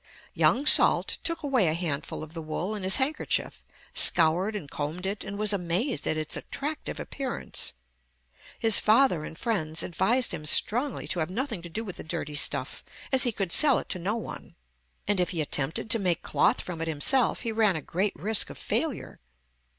Young Salt took away a handful of the wool in his handkerchief, scoured and combed it, and was amazed at its attractive appearance. His father and friends advised him strongly to have nothing to do with the dirty stuff, as he could sell it to no one; and if he attempted to make cloth from it himself, he ran a great risk of failure.